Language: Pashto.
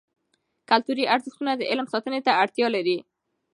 کلتوري ارزښتونه د علم ساتنې ته اړتیا لري.